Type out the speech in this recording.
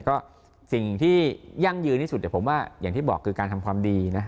ก็สิ่งที่ยั่งยืนที่สุดผมว่าอย่างที่บอกคือการทำความดีนะ